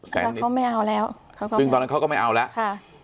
แต่เขาไม่เอาแล้วซึ่งตอนนั้นเขาก็ไม่เอาแล้วค่ะ